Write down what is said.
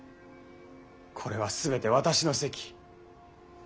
これは全て私の責。